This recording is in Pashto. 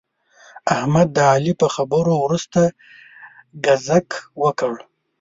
احمد د علي په خبرو ورسته ګذک وکړ.